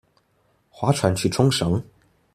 划船去沖繩